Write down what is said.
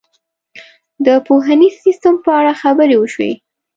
د پوهنیز سیستم په اړه خبرې وشوې.